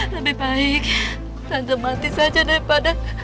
lebih baik sampai mati saja daripada